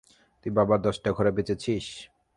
তুই বাবার দশটা ঘোড়া বেচেছিস?